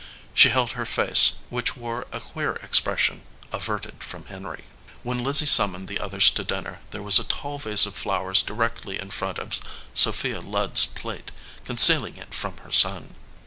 She held her face, which wore a queer ex pression, averted from Henry. When Lizzie summoned the others to dinner, there was a tall vase of flowers directly in front of Sophia Ludd s plate, concealing it from her son.